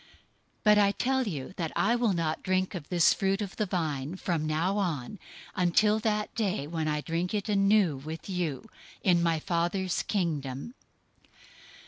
026:029 But I tell you that I will not drink of this fruit of the vine from now on, until that day when I drink it anew with you in my Father's Kingdom."